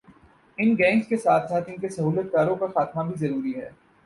ان gangs کے ساتھ ساتھ انکے سہولت کاروں کا خاتمہ بھی ضروری ہے